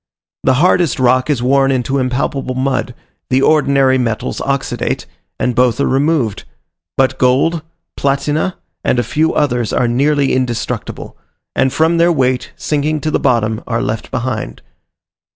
The hardest rock is worn into impalpable mud, the ordinary metals oxidate, and both are removed; but gold, platina, and a few others are nearly indestructible, and from their weight, sinking to the bottom, are left behind.